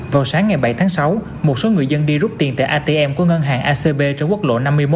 vào sáng ngày bảy tháng sáu một số người dân đi rút tiền tại atm của ngân hàng acb trên quốc lộ năm mươi một